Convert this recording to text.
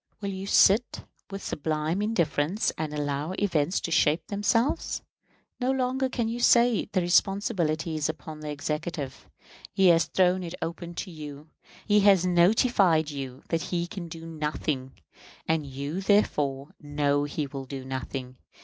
Will you sit with sublime indifference and allow events to shape themselves? No longer can you say the responsibility is upon the Executive. He has thrown it upon you. He has notified you that he can do nothing; and you therefore know he will do nothing.